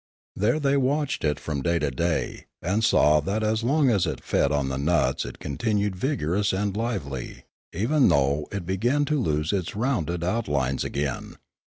There they watched it from day to day, and saw that as long as it fed on the nuts it continued vigorous and lively, even though it began to lose its rounded out lines again.